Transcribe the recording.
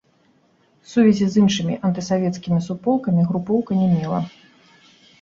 Сувязі з іншымі антысавецкімі суполкамі групоўка не мела.